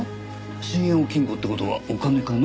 信用金庫って事はお金かな？